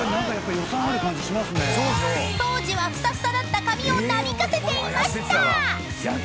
［当時はふさふさだった髪をなびかせていました］